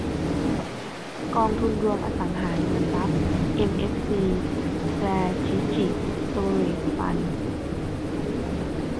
กองทุนรวมอสังหาริมทรัพย์เอ็มเอฟซี-สแตรทิจิกสโตเรจฟันด์